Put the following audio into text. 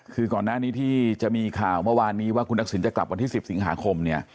คือก่อนหน้านี้ที่จะมีข่าวเมื่อวานนี้ว่าคุณทักษิณจะกลับวันที่๑๐สิงหาคมเนี่ย